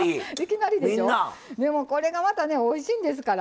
これがまた、おいしいんですから。